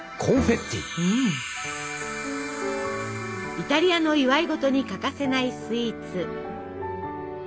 イタリアの祝い事に欠かせないスイーツ。